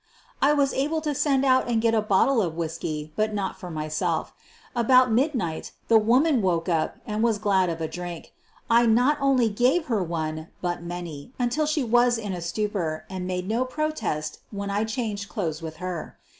I was able to send out and get a bottle of whiskey, but not for myself. About mid night the woman woke up and was glad of a drink. I not only gave her one, but many, until she was in QUEEN OF THE BURGLARS 249 a stupor and made no protest when I changed clothes with her.